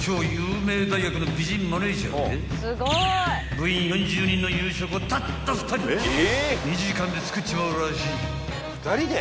［部員４０人の夕食をたった２人２時間で作っちまうらしい］